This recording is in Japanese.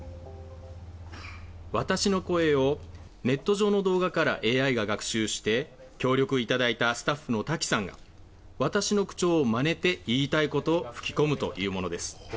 私の声をネット上の動画からＡＩが学習して、協力いただいたスタッフの滝さんが、私の口調をまねて、言いたいことを吹き込むというものです。